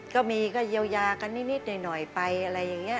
ก็มีก็เยียวยากันนิดหน่อยไปอะไรอย่างนี้